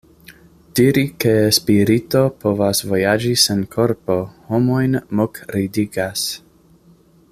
Diri ke spirito povas vojaĝi sen korpo homojn mokridigas.